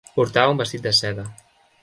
Portava un vestit de seda.